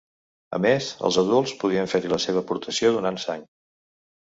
A més, els adults podien fer-hi la seva aportació donant sang.